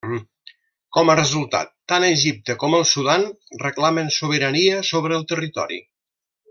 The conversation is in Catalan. Com a resultat, tant Egipte com el Sudan reclamen sobirania sobre el territori.